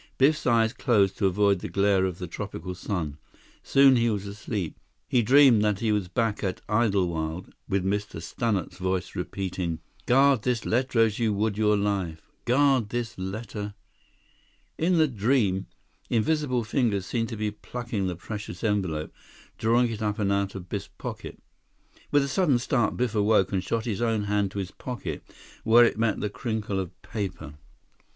Biff's eyes closed to avoid the glare of the tropical sun; soon he was asleep. He dreamed that he was back at Idlewild, with Mr. Stannart's voice repeating: "Guard this letter as you would your life! Guard this letter...." In the dream, invisible fingers seemed to be plucking the precious envelope, drawing it up and out of Biff's pocket. With a sudden start, Biff awoke and shot his own hand to his pocket, where it met the crinkle of paper.